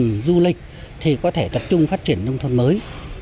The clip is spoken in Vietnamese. ngành du lịch thì có thể tập trung phát triển nông thôn mới